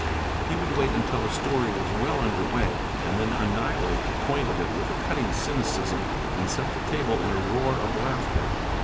He would wait until a story was well under way, and then annihilate the point of it with a cutting cynicism and set the table in a roar of laughter.